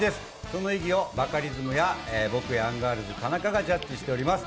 その異議をバカリズムや僕やアンガールズ・田中がジャッジしています。